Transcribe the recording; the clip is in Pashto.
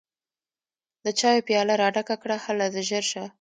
د چايو پياله راډکه کړه هله ژر شه!